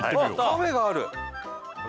カフェがある？